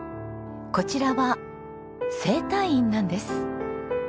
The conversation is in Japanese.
こちらは整体院なんです。